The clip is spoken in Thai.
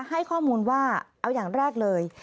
ให้ข้อมูลว่าเอาอย่างแรกเลย